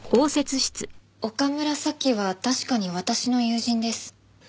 岡村咲は確かに私の友人です。